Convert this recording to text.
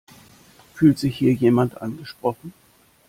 Fühlt sich hier jemand angesprochen?